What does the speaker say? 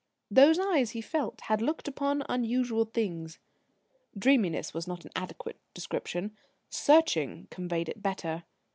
Those eyes, he felt, had looked upon unusual things; "dreaminess" was not an adequate description; "searching" conveyed it better.